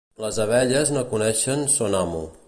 Les abelles no coneixen son amo.